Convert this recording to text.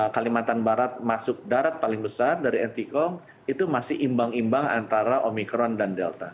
kalimantan barat masuk darat paling besar dari ntkong itu masih imbang imbang antara omikron dan delta